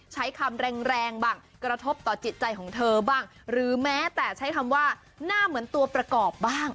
ใช้คำแรงแรงบ้างกระทบต่อจิตใจของเธอบ้างหรือแม้แต่ใช้คำว่าหน้าเหมือนตัวประกอบบ้าง